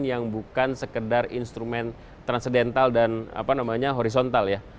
yang bukan sekedar instrumen transidental dan horizontal ya